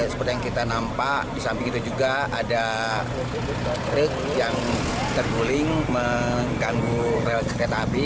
seperti yang kita nampak di samping itu juga ada trik yang terguling mengganggu rel kereta api